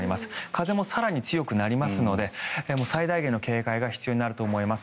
風も更に強くなりますので最大限の警戒が必要になると思います。